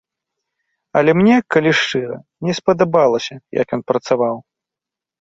Але мне, калі шчыра, не спадабалася, як ён працаваў.